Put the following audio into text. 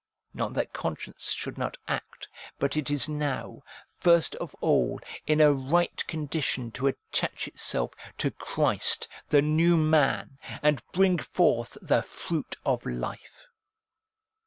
Not that conscience should not act, but it is now, first of all, in a right condition to attach itself to Christ, the New Man, and bring forth the fruit of life.